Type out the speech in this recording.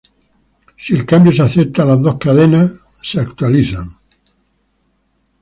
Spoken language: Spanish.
Si el cambio se acepta las dos cadenas son actualizadas.